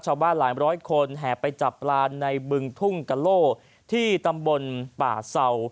ชาวบ้านหลายร้อยคนแห่ไปจับปลาในบึงทุ่งกะโลที่ตำบลป่าเศร้า